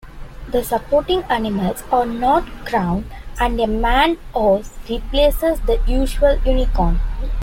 The supporting animals are not crowned and a maned horse replaces the usual unicorn.